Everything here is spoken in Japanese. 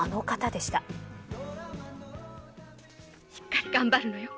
しっかり頑張るのよ。